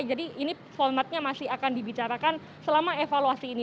jadi ini formatnya masih akan dibicarakan selama evaluasi ini